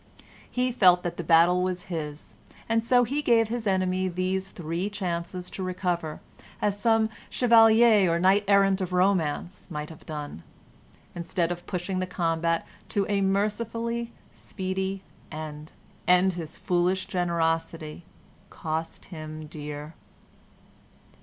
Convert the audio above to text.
He felt that the battle was his, and so he gave his enemy these three chances to recover, as some chevalier or knight errant of romance might have done, instead of pushing the combat to a mercifully speedy end and his foolish generosity cost him dear.